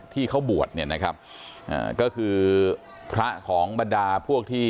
ที่เขาบวชเนี่ยนะครับอ่าก็คือพระของบรรดาพวกที่